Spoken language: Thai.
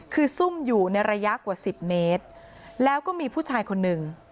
คือซุ่มอยู่ในระยะกว่าสิบเมตรแล้วก็มีผู้ชายคนหนึ่ง